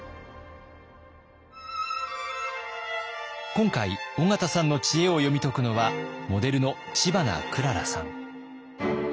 今回緒方さんの知恵を読み解くのはモデルの知花くららさん。